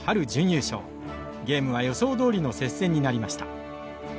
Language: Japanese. ゲームは予想どおりの接戦になりました。